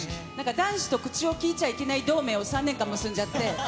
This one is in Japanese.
男子と口をきいちゃいけない同盟を３年間結んじゃって。